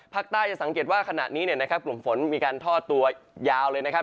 ภาคใต้จะสังเกตว่าขณะนี้เนี่ยนะครับกลุ่มฝนมีการทอดตัวยาวเลยนะครับ